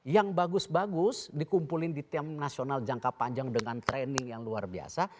yang bagus bagus dikumpulin di tim nasional jangka panjang dengan training yang luar biasa